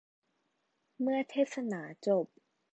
เมื่อเทศนาจบ